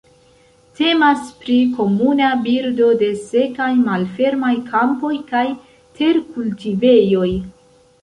Temas pri komuna birdo de sekaj malfermaj kampoj kaj terkultivejoj.